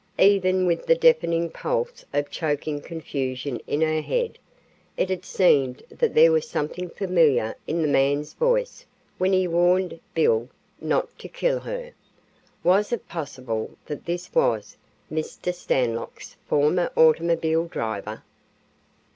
Even with the deafening pulse of choking confusion in her head, it had seemed that there was something familiar in the man's voice when he warned "Bill" not to kill her. Was it possible that this was Mr. Stanlock's former automobile driver?